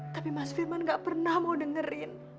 tapi mas firman gak pernah mau dengerin